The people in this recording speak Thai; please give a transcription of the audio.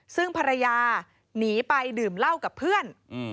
ซึ่งภรรยาหนีไปดื่มเหล้ากับเพื่อน